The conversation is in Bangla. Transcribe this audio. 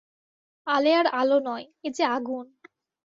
আলেয়ার আলো নয়, এ যে আগুন।